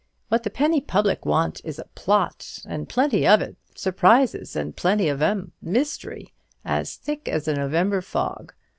What the penny public want is plot, and plenty of it; surprises, and plenty of 'em; mystery, as thick as a November fog.